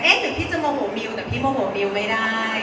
เอ๊ะถึงพี่จะโมโมมิวว่าก็หน่อยไม่ได้